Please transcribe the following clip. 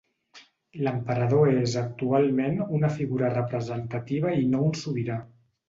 L'emperador és actualment una figura representativa i no un sobirà.